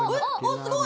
すごい！